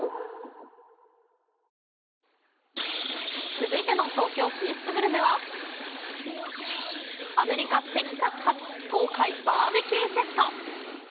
続いての東京進出グルメは、アメリカ・テキサス発、豪快バーベキューセット。